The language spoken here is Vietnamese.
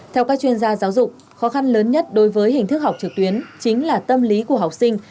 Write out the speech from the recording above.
theo các chuyên gia giáo dục khó khăn lớn nhất đối với hình thức học trực tuyến chính là tâm lý của học sinh